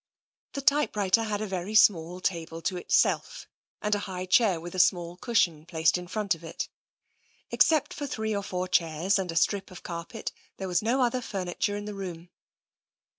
The typewriter had a very small table to itself, and a high chair with a small cushion placed in front of it. Except for three or four chairs and a strip of carpet, there was no other furniture in the room.